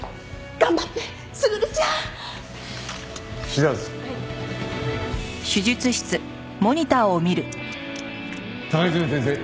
高泉先生